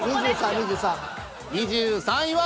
２２位は。